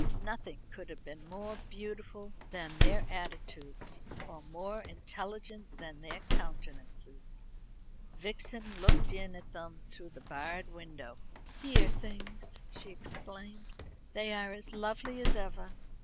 Nothing could be more beautiful than their attitudes, or more intelligent than their countenances. Vixen looked in at them through the barred window. "Dear things," she exclaimed; "they are as lovely as ever.